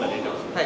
はい。